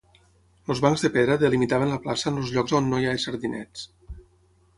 Els bancs de pedra delimitaven la plaça en els llocs on no hi ha jardinets.